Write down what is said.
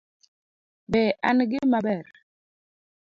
Be an gima ber